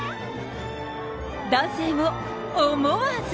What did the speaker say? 男性も思わず。